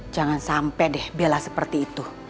jangan sampai deh bela seperti itu